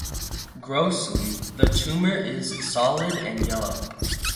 Grossly, the tumour is solid and yellow.